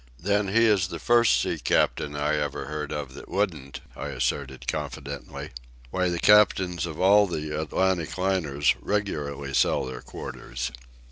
"Then he is the first sea captain I ever heard of that wouldn't," I asserted confidently. "Why, the captains of all the Atlantic liners regularly sell their quarters."